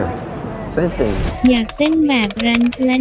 เราทำวักทางหลัก